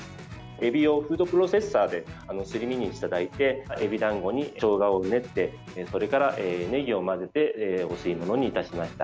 エビをフードプロセッサーですり身にしていただいてエビだんごにしょうがを練ってそれから、ねぎを混ぜてお吸い物にいたしました。